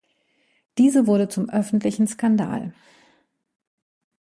Diese wurde zum öffentlichen Skandal.